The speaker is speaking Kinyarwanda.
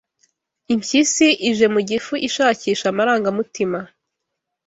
Impyisi ije mu gifu ishakisha amarangamutima